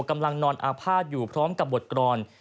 กำลังนอนอาภาษณ์อยู่พร้อมกับบทกรอน